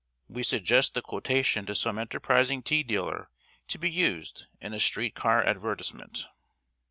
We suggest the quotation to some enterprising tea dealer to be used in a street car advertisement.